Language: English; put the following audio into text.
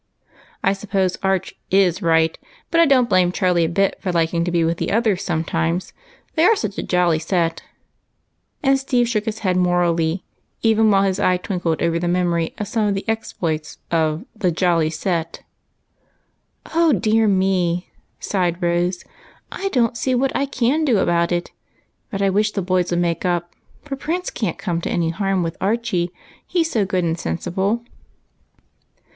I suppose Arch is right, but I don't blame Charlie a bit for liking to be with the others sometimes, they are such a jolly set," and Steve shook his head morally, even while his eye twinkled over the memory of some of the exploits of the " jolly set." " Oh, dear me !" sighed Rose, " I don't see what I can do about it, but I wish the boys would make up, for Prince can't come to any harm with Archie, he's so good and sensible."